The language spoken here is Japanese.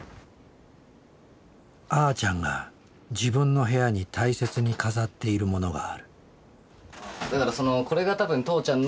あーちゃんが自分の部屋に大切に飾っているものがある。